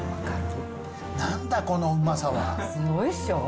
すごいでしょ。